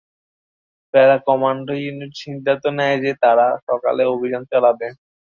প্যারা commando unit সিদ্ধান্ত নেয় যে তারা সকালে অভিযান চালাবে।